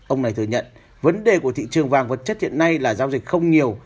ông này thừa nhận vấn đề của thị trường vàng vật chất hiện nay là giao dịch không nhiều